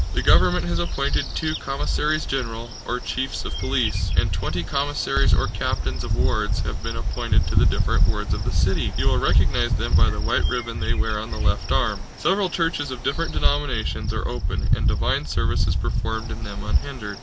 The government has appointed two commissaries general, or chiefs of police, and twenty commissaries or captains of wards have been appointed to the different wards of the city. You will recognize them by the white ribbon they will wear on the left arm. Several churches of different denominations are open, and divine service is performed in them unhindered.